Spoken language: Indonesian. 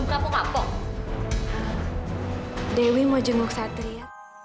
gak apa apa sih